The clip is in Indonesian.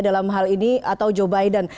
dalam hal ini atau joe biden